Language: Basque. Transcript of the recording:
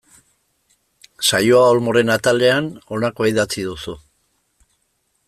Saioa Olmoren atalean honakoa idatzi duzu.